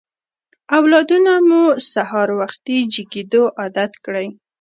اولادونه مو په سهار وختي جګېدو عادت کړئ.